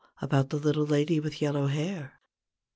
about the little lady with yellow hair